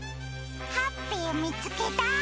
ハッピーみつけた！